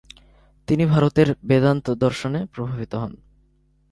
তিনি ভারতের বেদান্ত দর্শনে প্রভাবিত হন।